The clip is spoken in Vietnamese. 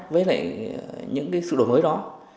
với những sự đổi mới đó